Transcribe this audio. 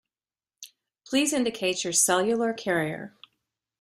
Please indicate your cellular carrier.